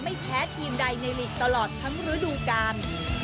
ไม่แพ้ทีมใดในหลีกตลอดทั้งฤดูกาล